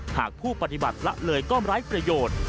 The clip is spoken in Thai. หากผู้ปฏิบัติละเลยก็ไร้ประโยชน์